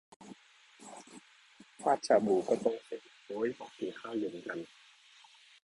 ฟาดชาบูก็โต้งเสร็จ โอ๊บบอกกินข้าวเย็นกัน